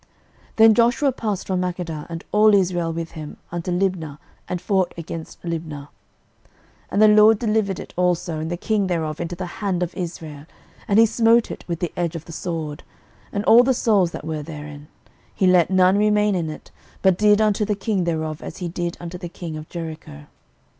06:010:029 Then Joshua passed from Makkedah, and all Israel with him, unto Libnah, and fought against Libnah: 06:010:030 And the LORD delivered it also, and the king thereof, into the hand of Israel; and he smote it with the edge of the sword, and all the souls that were therein; he let none remain in it; but did unto the king thereof as he did unto the king of Jericho.